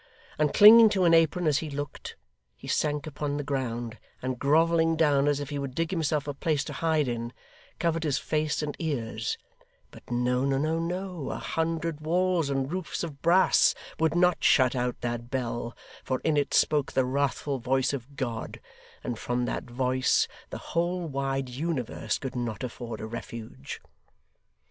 and clinging to an apron as he looked! He sank upon the ground, and grovelling down as if he would dig himself a place to hide in, covered his face and ears: but no, no, no, a hundred walls and roofs of brass would not shut out that bell, for in it spoke the wrathful voice of God, and from that voice, the whole wide universe could not afford a refuge!